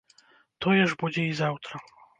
Тое ж будзе і заўтра.